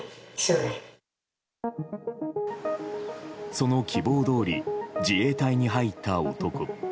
その希望どおり自衛隊に入った男。